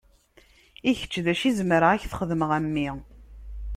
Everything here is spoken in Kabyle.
I kečč, d acu i zemreɣ ad k-t-xedmeɣ, a mmi?